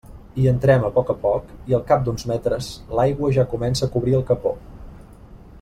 Hi entrem a poc a poc, i al cap d'uns metres l'aigua ja comença a cobrir el capó.